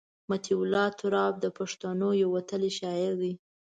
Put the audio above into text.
مطیع الله تراب د پښتنو یو وتلی شاعر دی.